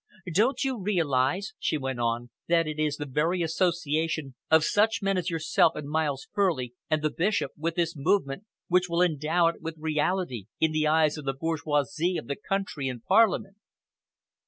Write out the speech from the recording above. Don't you realise," she went on, "that it is the very association of such men as yourself and Miles Furley and the Bishop with this movement which will endow it with reality in the eyes of the bourgeoisie of the country and Parliament?"